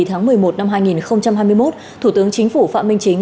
tháng một mươi một năm hai nghìn hai mươi một thủ tướng chính phủ phạm minh chính